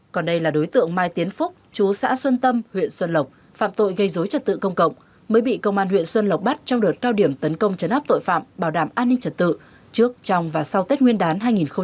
còn đây là đối tượng mai tiến phúc chú xã xuân tâm huyện xuân lộc phạm tội gây dối trật tự công cộng mới bị công an huyện xuân lộc bắt trong đợt cao điểm tấn công chấn áp tội phạm bảo đảm an ninh trật tự trước trong và sau tết nguyên đán hai nghìn hai mươi bốn